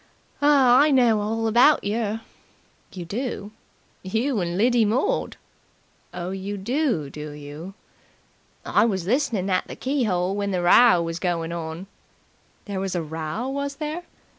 "I know all about yer." "You do?" "You and Lidy Mord." "Oh, you do, do you?" "I was listening at the key 'ole while the row was goin' on." "There was a row, was there?"